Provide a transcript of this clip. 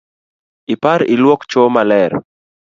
Ipar iluok cho maler.